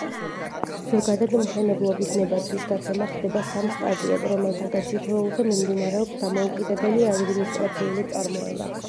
ზოგადად, მშენებლობის ნებართვის გაცემა ხდება სამ სტადიად, რომელთაგან თითოეულზე მიმდინარეობს დამოუკიდებელი ადმინისტრაციული წარმოება.